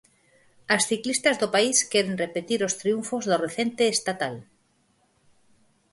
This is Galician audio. As ciclistas do país queren repetir os triunfos do recente Estatal.